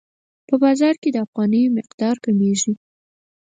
په بازار کې د افغانیو مقدار کمیږي.